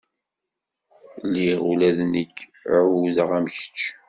Lliɣ ula d nekk ɛuddeɣ am kečč.